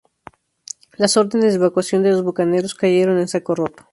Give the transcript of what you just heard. Las órdenes de evacuación de los bucaneros cayeron en saco roto.